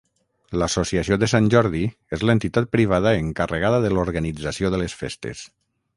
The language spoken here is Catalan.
L'Associació de Sant Jordi és l'entitat privada encarregada de l'organització de les festes.